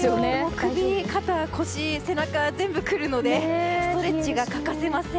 首、肩、腰、背中全部くるのでストレッチが欠かせません。